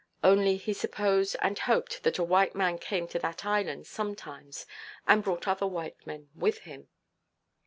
Only he supposed and hoped that a white man came to that island sometimes, and brought other white men with him.